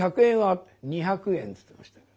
「２００円」つってました。